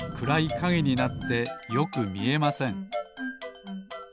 かげになってよくみえません